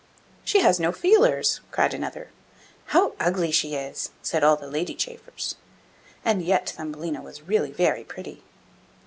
'She has no feelers!' cried another. 'How ugly she is!' said all the lady chafers and yet Thumbelina was really very pretty.